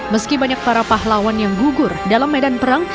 meski banyak para pahlawan yang gugur dalam medan perang